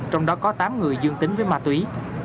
trong đó có tám người dương tính với ma túy